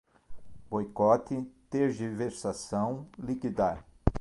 Boicote, tergiversação, liquidar